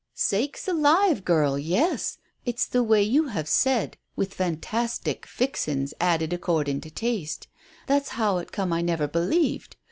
"Sakes alive, girl, yes. It's the way you have said, with fantastic fixin's added accordin' to taste. That's how it come I never believed.